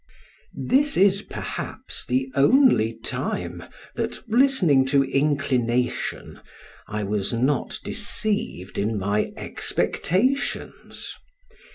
This is, perhaps, the only time that, listening to inclination, I was not deceived in my expectations.